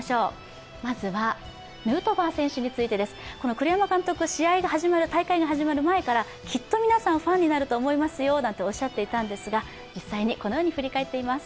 栗山監督、大会が始まる前からきっと皆さん、ファンになると思いますよなんておっしゃっていたんですが実際にこのように振り返っています。